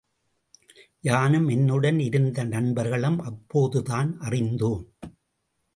யானும் என்னுடன் இருந்த நண்பர்களும் அப்போதுதான் அறிந்தோம்.